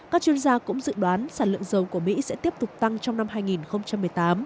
các chuyên gia cũng dự đoán sản lượng dầu của mỹ sẽ tiếp tục tăng trong năm hai nghìn một mươi tám